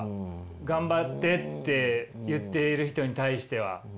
頑張ってって言っている人に対しては。